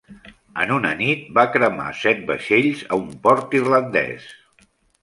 En una nit va cremar set vaixells a un port irlandès.